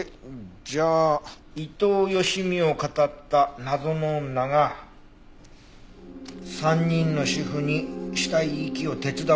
じゃあ伊藤佳美を騙った謎の女が３人の主婦に死体遺棄を手伝わせたって事？